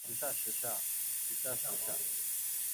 反制措施